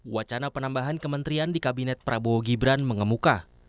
wacana penambahan kementerian di kabinet prabowo gibran mengemuka